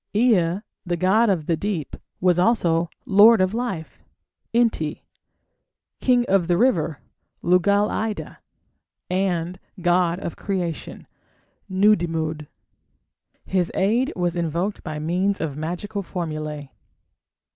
Ea, the god of the deep, was also "lord of life" (Enti), "king of the river" (Lugal ida), and god of creation (Nudimmud). His aid was invoked by means of magical formulae.